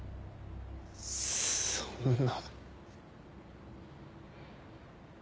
そんな。